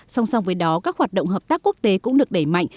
song song với đó các hoạt động hợp tác quốc tế cũng được đẩy mạnh